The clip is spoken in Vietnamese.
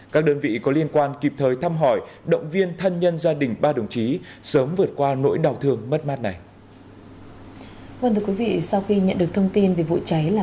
các đơn vị có liên quan kịp thời thăm hỏi động viên thân nhân gia đình ba đồng chí sớm vượt qua nỗi đau thương mất mát này